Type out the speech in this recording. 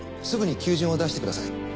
すぐに求人を出してください。